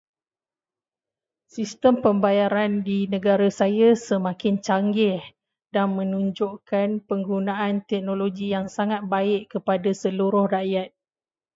Sistem pembayaran di negara saya semakin canggih dan menunjukkan penggunaan teknologi yang sangat baik kepada seluruh rakyat.